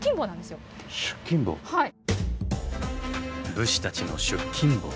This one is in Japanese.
武士たちの出勤簿。